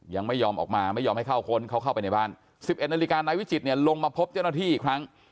ยังไม่ยอมออกมาไม่ยอมให้เข้าค้นเขาเข้าไปในบ้าน๑๑นาฬิกานายวิจิตเนี่ยลงมาพบเจ้าหน้าที่อีกครั้ง